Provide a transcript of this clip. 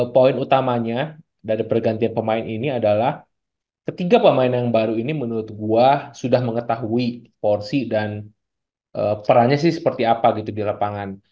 poin utamanya dari pergantian pemain ini adalah ketiga pemain yang baru ini menurut gue sudah mengetahui porsi dan perannya sih seperti apa gitu di lapangan